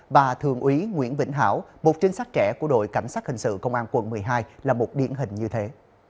và thượng úy nguyễn vĩnh hảo một trinh sát trẻ của đội cảnh sát hình sự công an quận một mươi hai là một điển hình như thế